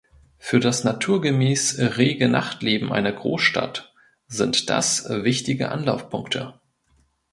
Für das naturgemäß rege Nachtleben einer Großstadt sind das wichtige Anlaufpunkte.